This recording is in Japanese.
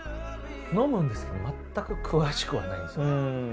飲むんですけど全く詳しくはないんですよね。